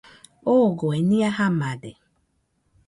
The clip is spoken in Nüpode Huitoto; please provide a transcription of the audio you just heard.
Ogoe nɨa jamade